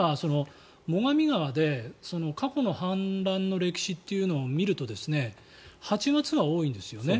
最上川で過去の氾濫の歴史というのを見ると８月が多いんですね。